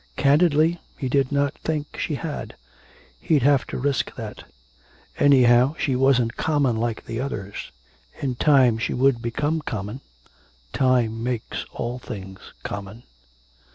Candidly, he did not think she had. He'd have to risk that. Anyhow, she wasn't common like the others.... In time she would become common; time makes all things common.